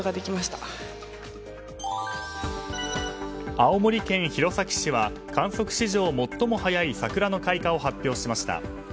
青森県弘前市は観測史上最も早い桜の開花を発表しました。